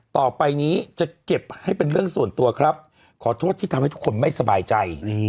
ต่อไปนี้จะเก็บให้เป็นเรื่องส่วนตัวครับขอโทษที่ทำให้ทุกคนไม่สบายใจ